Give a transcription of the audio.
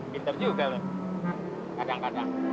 pinter juga loh kadang kadang